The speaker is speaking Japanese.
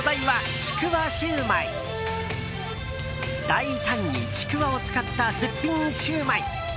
大胆にちくわを使った絶品シューマイ。